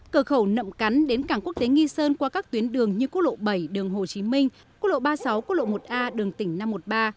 cửa khẩu nậm cắn đến cảng quốc tế nghi sơn qua các tuyến đường như quốc lộ bảy đường hồ chí minh quốc lộ ba mươi sáu quốc lộ một a đường tỉnh năm trăm một mươi ba